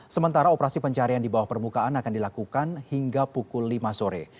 sementara operasi pencarian di bawah permukaan akan dilakukan hingga pukul lima sore